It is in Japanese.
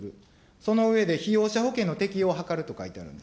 その上で被用者保険の適用を図ると書いてあるんです。